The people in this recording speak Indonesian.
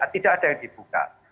tidak ada yang dibuka